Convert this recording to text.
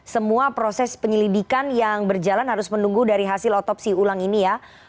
semua proses penyelidikan yang berjalan harus menunggu dari hasil otopsi ulang ini ya